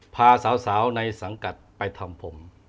พาสาวในสังกัดไปทำผม